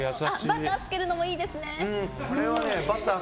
バターつけるのもいいですね。